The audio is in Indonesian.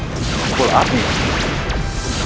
pendekar hadapi aku